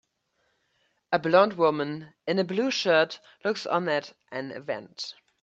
A blond woman in a blue shirt looks on at an event.